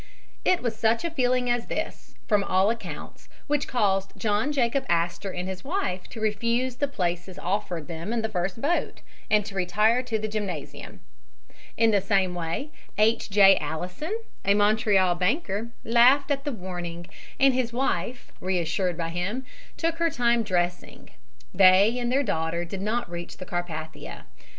It was such a feeling as this, from all accounts, which caused John Jacob Astor and his wife to refuse the places offered them in the first boat, and to retire to the gymnasium. In the same way H. J. Allison, a Montreal banker, laughed at the warning, and his wife, reassured by him, took her time dressing. They and their daughter did not reach the Carpathia.